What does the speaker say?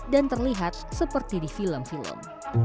dan terlihat seperti di film film